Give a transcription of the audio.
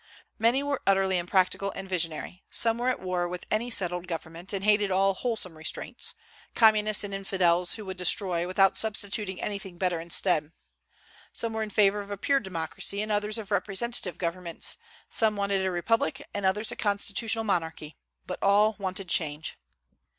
Many were utterly impractical and visionary; some were at war with any settled government, and hated all wholesome restraints, communists and infidels, who would destroy, without substituting anything better instead; some were in favor of a pure democracy, and others of representative governments; some wanted a republic, and others a constitutional monarchy: but all wanted a change.